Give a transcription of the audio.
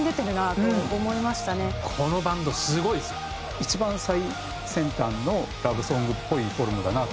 一番最先端のラブソングっぽいフォルムだな。